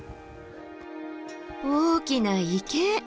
大きな池！